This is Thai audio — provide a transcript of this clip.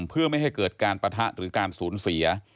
เพื่อไม่ให้เกิดการปะทะหรือการสูญเสีย